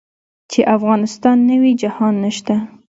چې افغانستان نه وي جهان نشته.